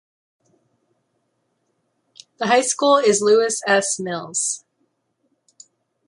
The high school is Lewis S. Mills.